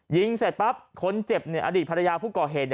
เสร็จปั๊บคนเจ็บอดีตภรรยาผู้ก่อเหตุ